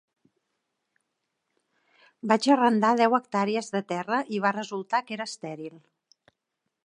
Vaig arrendar deu hectàrees de terra i va resultar que era estèril.